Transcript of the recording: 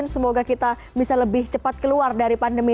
semoga kita bisa lebih cepat keluar dari pandemi